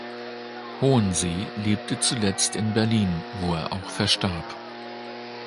Hohensee lebte zuletzt in Berlin, wo er auch verstarb.